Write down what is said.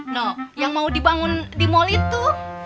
nah yang mau dibangun di mall itu